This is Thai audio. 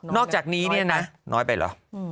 นอกจากนี้น้อยไปหรอ